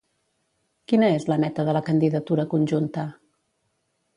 Quina és la meta de la candidatura conjunta?